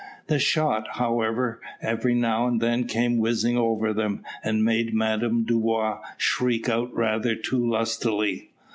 The shot, however, every now and then came whizzing over them, and made Madame Dubois shriek out rather too lustily.